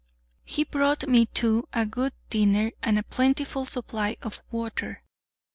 He brought me, too, a good dinner, and a plentiful supply of water.